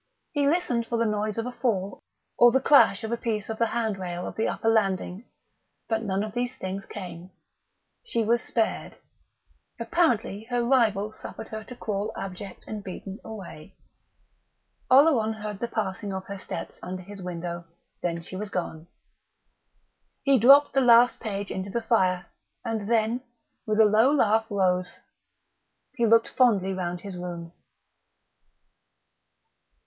He listened for the noise of a fall or a cry or the crash of a piece of the handrail of the upper landing; but none of these things came. She was spared. Apparently her rival suffered her to crawl abject and beaten away. Oleron heard the passing of her steps under his window; then she was gone. He dropped the last page into the fire, and then, with a low laugh rose. He looked fondly round his room.